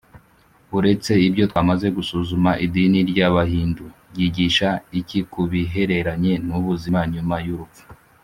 uretse ibyo twamaze gusuzuma, idini ry’abahindu ryigisha iki ku bihereranye n’ubuzima nyuma y’urupfu?